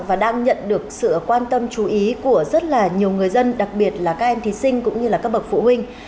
và đang nhận được sự quan tâm chú ý của rất là nhiều người dân đặc biệt là các em thí sinh cũng như là các bậc phụ huynh